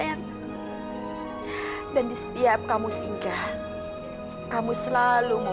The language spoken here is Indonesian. yaudah ken kamu ikut aja ya